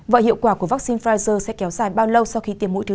vậy hiệu quả của vaccine pfizer sẽ kéo dài bao lâu sau khi tiêm mũi thứ hai